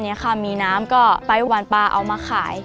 นี้ค่ะมีน้ำก็ไปหวานปลาเอามาขาย